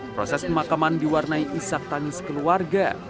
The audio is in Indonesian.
proses pemakaman diwarnai isak tangis keluarga